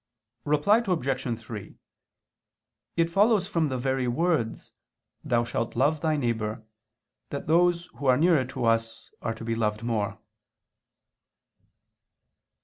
Reply Obj. 3: It follows from the very words, "Thou shalt love thy neighbor" that those who are nearer to us are to be loved more.